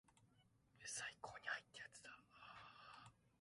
最高にハイ!ってやつだアアアアアアハハハハハハハハハハーッ